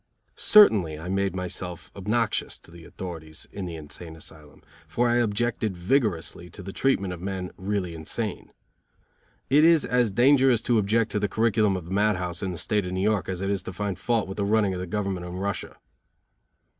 Certainly I made myself obnoxious to the authorities in the insane asylum, for I objected vigorously to the treatment of men really insane. It is as dangerous to object to the curriculum of a mad house in the State of New York as it is to find fault with the running of the government in Russia.